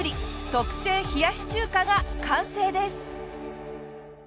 特製冷やし中華が完成です。